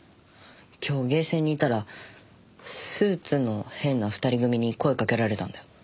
今日ゲーセンにいたらスーツの変な２人組に声かけられたんだよ。